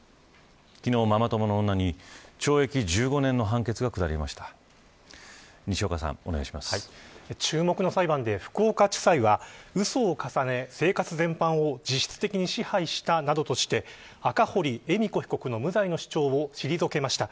昨日、ママ友の女に注目の裁判で、福岡地裁はうそを重ね生活全般を実質的に支配したなどとして赤堀恵美子被告の無罪の主張を退けました。